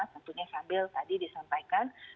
tentunya sambil tadi disampaikan